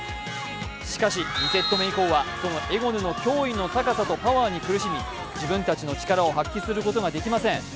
しかし、２セット目以降はそのエゴヌの驚異とパワーに苦しみ自分たちの力を発揮することができません。